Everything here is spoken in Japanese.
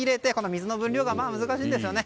水の分量が難しいんですね。